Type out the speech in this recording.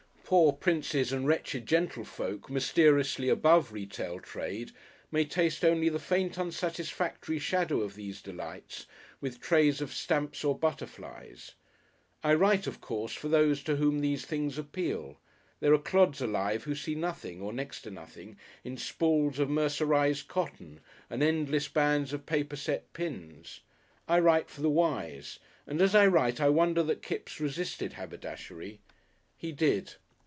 Poor princes and wretched gentlefolk mysteriously above retail trade, may taste only the faint unsatisfactory shadow of these delights with trays of stamps or butterflies. I write, of course, for those to whom these things appeal; there are clods alive who see nothing, or next to nothing, in spools of mercerised cotton and endless bands of paper set pins. I write for the wise, and as I write I wonder that Kipps resisted haberdashery. He did.